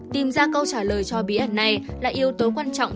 tìm ra câu trả lời cho bí ẩn này là yếu tố quan trọng